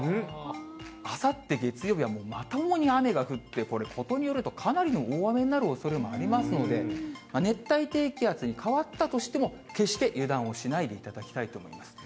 あさって月曜日はもうまともに雨が降って、これ、ことによると、かなりの大雨になるおそれもありますので、熱帯低気圧に変わったとしても、決して油断をしないでいただきたいと思います。